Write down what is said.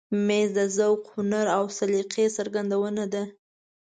مېز د ذوق، هنر او سلیقې څرګندونه ده.